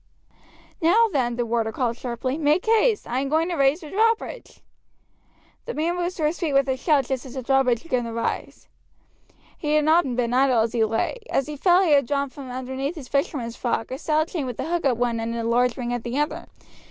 "Now, then," the warder called sharply, "make haste; I am going to raise the drawbridge." The man rose to his feet with a shout just as the drawbridge began to rise. He had not been idle as he lay. As he fell he had drawn from underneath his fisherman's frock a stout chain with a hook at one end and a large ring at the other.